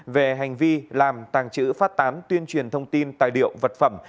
về hành vi làm tàng trữ phát tán tuyên truyền thông tin tài liệu vật phẩm